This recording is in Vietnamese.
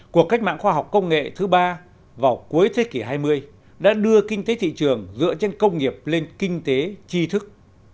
cuộc cách mạng khoa học công nghệ thứ ba vào cuối thế kỷ hai mươi đã đưa kinh tế thị trường dựa trên công nghiệp lên kinh tế tri thức